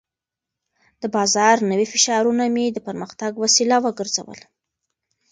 د بازار نوي فشارونه مې د پرمختګ وسیله وګرځول.